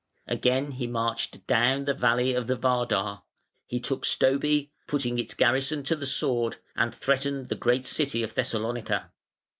Again he marched down the valley of the Vardar, he took Stobi, putting its garrison to the sword, and threatened the great city of Thessalonica.